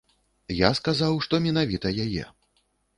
Я сказаў, што менавіта яе.